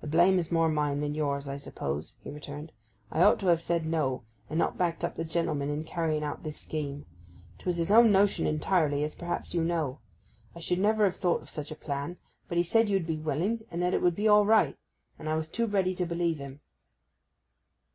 'The blame is more mine than yours, I suppose,' he returned. 'I ought to have said No, and not backed up the gentleman in carrying out this scheme. 'Twas his own notion entirely, as perhaps you know. I should never have thought of such a plan; but he said you'd be willing, and that it would be all right; and I was too ready to believe him.